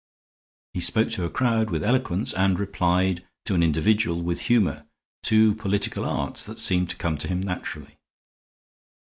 He spoke to a crowd with eloquence and replied to an individual with humor, two political arts that seemed to come to him naturally.